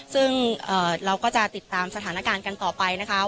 ซึ่งเราก็จะติดตามสถานการณ์กันต่อไปนะคะ